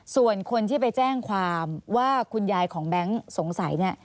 ส่วนคนที่ไปแจ้งความว่าคุณยายของแบงค์สงสัยเนี่ย